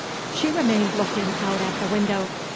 She remained looking out at the window.